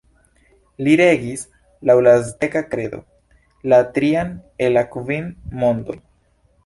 Li regis, laŭ la azteka kredo, la trian el la kvin mondoj.